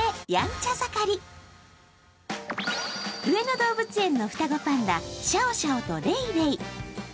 上野動物園の双子パンダ、シャオシャオとレイレイ。